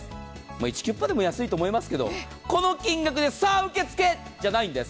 イチキュッパでも安いと思いますがこの金額で受け付けじゃないんです。